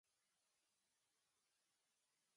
传统涅涅茨人的社会单位是属于父系外婚氏族。